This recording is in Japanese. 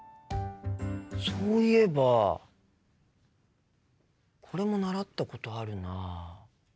そういえばこれも習ったことあるな。